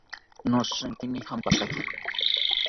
Noshinkini jampataki